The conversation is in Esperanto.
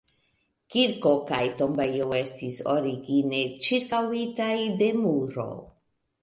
Kirko kaj tombejo estis origine ĉirkaŭitaj de muro.